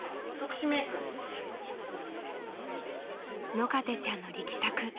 ［野風ちゃんの力作